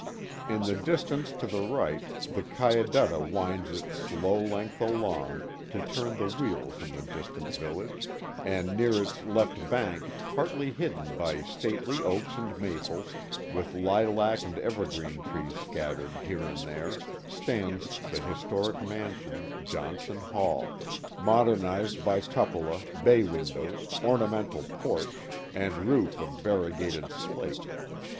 In the distance to the right the Cayadutta winds its slow length along, to turn the wheels in the distant village, and near its left bank, partly hidden by stately oaks and maples, with lilac and evergreen trees scattered here and there, stands the historic mansion, Johnson Hall, modernized by cupola, bay windows, ornamental porch, and roof of variegated slate.